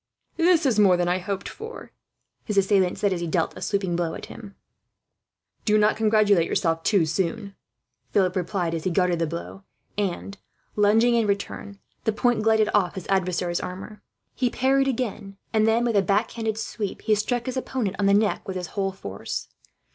"This is more than I hoped for," his assailant said, as he dealt a sweeping blow at him. "Do not congratulate yourself too soon," Philip replied, as he guarded the blow and, lunging in return, the point glided off his adversary's armour. He parried again; and then, with a back handed sweep, he struck his opponent on the neck with his whole force.